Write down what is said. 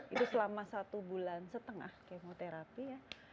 itu selama satu bulan setengah kemoterapi ya